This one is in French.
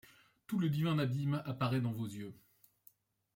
Tout le divin abîme apparaît dans vos Yeux